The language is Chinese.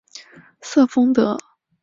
瑟丰德。